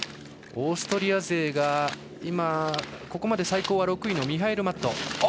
オーストリア勢が今、ここまで最高は６位のミヒャエル・マット。